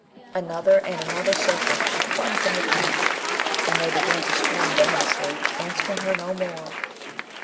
Another and another Serpent she flung from the Chief, and they began to swarm venomously, answering her no more.